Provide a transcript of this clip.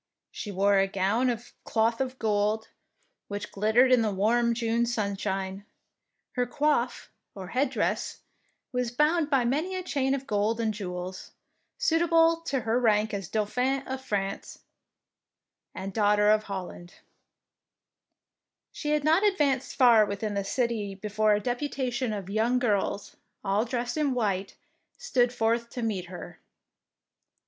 She wore a gown of cloth of gold, which glittered in the warm June sunshine. Her coif, or headdress, was bound by many a chain of gold and jewels, suitable to her rank as Dauphine of France and Daughter of Holland. 6s DEEDS OF DAEING She had not advanced far within the city before a deputation of young girls, all dressed in white, stood forth to meet her.